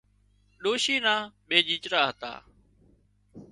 ڏوشي نا ٻي ڄيچرا هتا